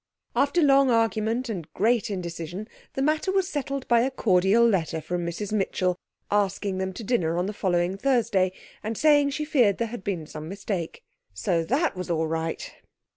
After long argument and great indecision the matter was settled by a cordial letter from Mrs Mitchell, asking them to dinner on the following Thursday, and saying she feared there had been some mistake. So that was all right.